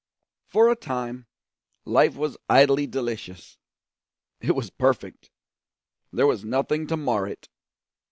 For a time, life was idly delicious, it was perfect; there was nothing to mar it.